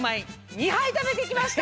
２はいたべてきました！